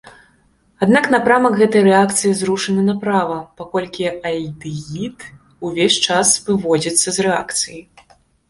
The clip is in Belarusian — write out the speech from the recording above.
Аднак напрамак гэтай рэакцыі зрушаны направа, паколькі альдэгід увесь час выводзіцца з рэакцыі.